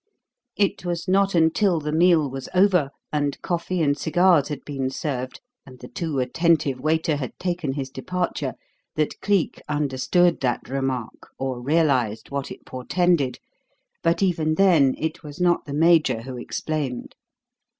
It was not until the meal was over and coffee and cigars had been served and the too attentive waiter had taken his departure that Cleek understood that remark or realised what it portended. But even then, it was not the Major who explained.